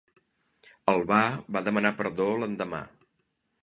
Albà va demanar perdó l'endemà.